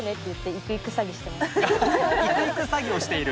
行く行く詐欺をしている。